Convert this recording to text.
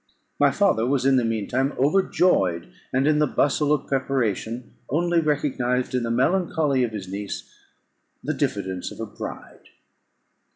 My father was in the mean time overjoyed, and, in the bustle of preparation, only recognised in the melancholy of his niece the diffidence of a bride.